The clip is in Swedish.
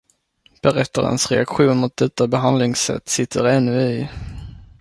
Berättarens reaktion mot detta behandlingssätt sitter ännu i.